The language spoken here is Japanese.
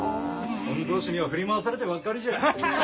御曹司には振り回されてばっかりじゃ。